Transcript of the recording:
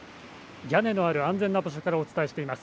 屋根のある安全な場所からお伝えしています。